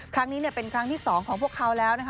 ครั้งนี้เป็นครั้งที่๒ของพวกเขาแล้วนะคะ